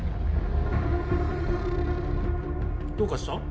どうかした？